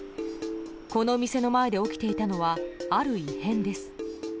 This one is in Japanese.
この店の前で起きていたのはある異変です。